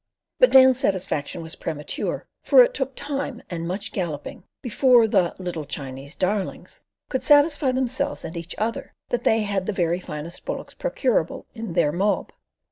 But Dan's satisfaction was premature, for it took time and much galloping before the "little Chinese darlings" could satisfy themselves and each other that they had the very finest bullocks procurable in their mob.